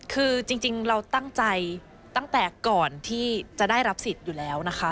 คือจริงเราตั้งใจตั้งแต่ก่อนที่จะได้รับสิทธิ์อยู่แล้วนะคะ